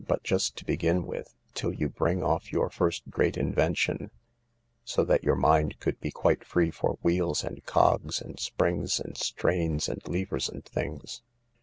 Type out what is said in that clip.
But just to begii! with til] .you bring off your first great invention so that your mind could be quite free for wheels and cogs and springs and strains . and levers and things.